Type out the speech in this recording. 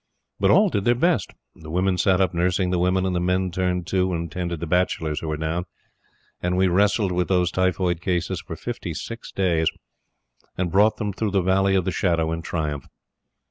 But all did their best. The women sat up nursing the women, and the men turned to and tended the bachelors who were down, and we wrestled with those typhoid cases for fifty six days, and brought them through the Valley of the Shadow in triumph.